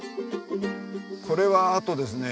これはあとですね